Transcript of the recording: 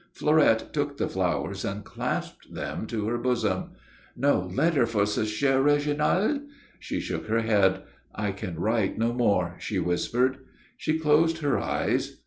Fleurette took the flowers and clasped them to her bosom. "No letter for ce cher Reginald?" She shook her head. "I can write no more," she whispered. She closed her eyes.